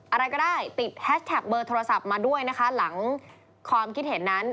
อะไรก็ได้ติดแฮชแท็กเบอร์โทรศัพท์มาด้วยนะคะหลังความคิดเห็นนั้น